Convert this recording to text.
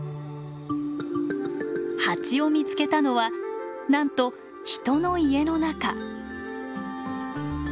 ハチを見つけたのはなんと人の家の中。